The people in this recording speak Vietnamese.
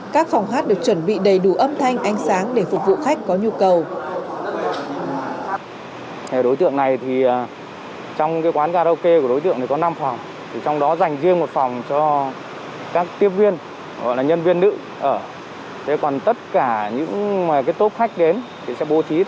các phòng hát được chuẩn bị đầy đủ âm thanh ánh sáng để phục vụ khách